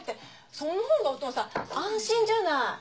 そのほうがお父さん安心じゃない。